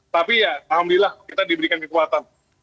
tapi ya alhamdulillah kita diberikan kekuatan